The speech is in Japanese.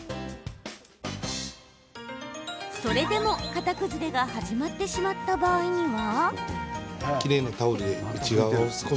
それでも型崩れが始まってしまった場合には？